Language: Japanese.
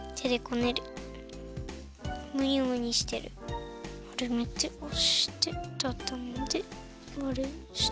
まるめておしてたたんでまるにして。